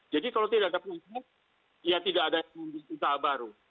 jadi kalau tidak ada proses ya tidak ada yang bisa baru